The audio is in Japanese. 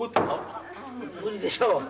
無理でしょう。